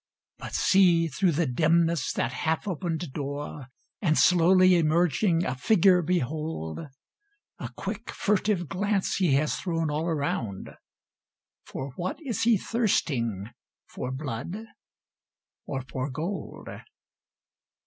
But see through the dimness that half opened door, And slowly emerging a figure behold; A quick, furtive glance he has thrown all around, For what is he thirsting, for blood, or for gold?